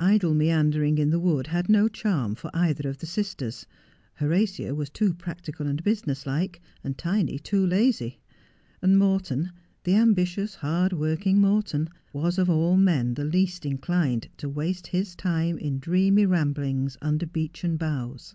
Idle meandering in the wood had no charm for either of the sisters. Horatia was too practical and business like, Tiny too lazy. And Morton, the ambitious, hard working Morton, was of all men the least inclined to waste his time in dreamy ramblings under beechen boughs.